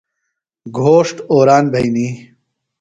گھوݜٹ اوران بھئنی۔